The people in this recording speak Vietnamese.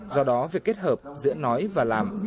do đó việc kết hợp giữa nói và làm